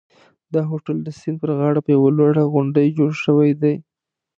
دا هوټل د سیند پر غاړه په یوه لوړه غونډۍ جوړ شوی دی.